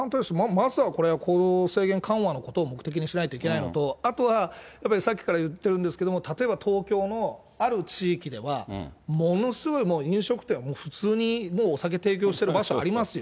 まずは行動制限緩和のことを目的にしないといけないのと、あとはやっぱりさっきから言ってるんですけど、東京のある地域では、ものすごいもう飲食店は普通にもうお酒提供してる場所ありますよ。